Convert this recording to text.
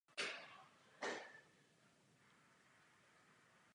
Fakta jsou nepopiratelná a na první pohled zřejmá.